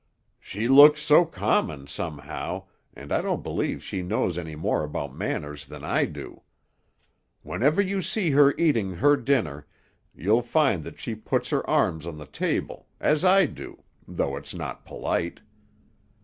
"She looks so common, somehow, and I don't believe she knows any more about manners than I do. Whenever you see her eating her dinner, you'll find that she puts her arms on the table, as I do, though it's not polite.